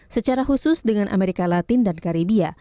secara khusus dengan amerika latin dan karibia